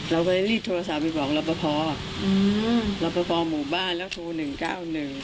เราก็เลยรีบโทรศัพท์ไปบอกรอปภอืมรับประพอหมู่บ้านแล้วโทรหนึ่งเก้าหนึ่ง